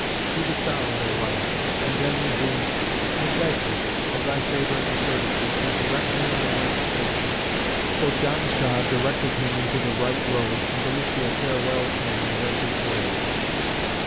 He was silent a while and then resumed, 'I beg thee, of thy favour and courtesy, to direct me in the way of safety.' So Janshah directed him into the right road, and Bulukiya farewelled him and went his ways."